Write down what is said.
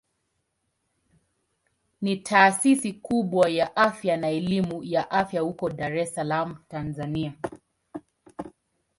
Ni taasisi kubwa ya afya na elimu ya afya huko Dar es Salaam Tanzania.